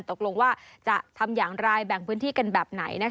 ตกลงว่าจะทำอย่างไรแบ่งพื้นที่กันแบบไหน